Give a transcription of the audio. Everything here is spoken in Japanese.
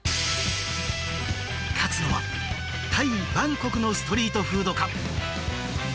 勝つのはタイ・バンコクのストリートフードか？